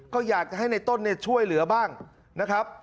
ก็อยากจะให้ในต้นเนี่ยช่วยเหลือบ้างนะครับ